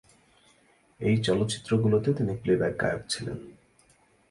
এই চলচ্চিত্রগুলোতে তিনি প্লেব্যাক গায়ক ছিলেন।